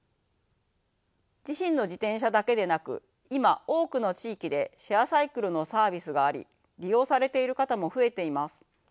自身の自転車だけでなく今多くの地域でシェアサイクルのサービスがあり利用されている方も増えています。